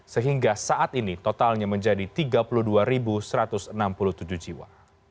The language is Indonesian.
sehingga saat ini totalnya menjadi tiga puluh dua satu ratus enam puluh tujuh jiwa